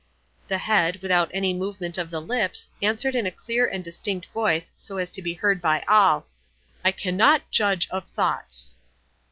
The head, without any movement of the lips, answered in a clear and distinct voice, so as to be heard by all, "I cannot judge of thoughts."